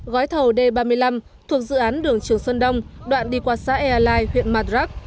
gói thầu d ba mươi năm thuộc dự án đường trường sơn đông đoạn đi qua xã ea lai huyện madrak